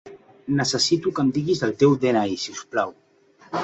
Necessito que em diguis el teu de-ena-i, si us plau.